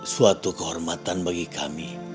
suatu kehormatan bagi kami